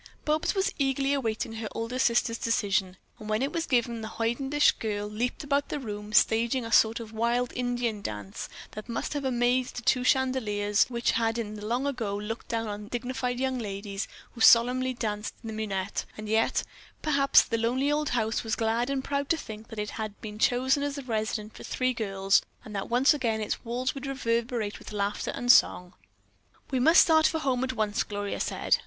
Bobs was eagerly awaiting her older sister's decision, and when it was given, that hoidenish girl leaped about the room, staging a sort of wild Indian dance that must have amazed the two chandeliers which had in the long ago looked down upon dignified young ladies who solemnly danced the minuet, and yet, perhaps the lonely old house was glad and proud to think that it had been chosen as a residence for three girls, and that once again its walls would reverberate with laughter and song. "We must start for home at once," Gloria said.